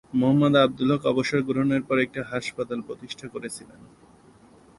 মোহাম্মদ আবদুল হক অবসর গ্রহণের পর একটি হাসপাতাল প্রতিষ্ঠা করেছিলেন।